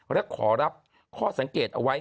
และขอรับข้อสังเกตเอาไว้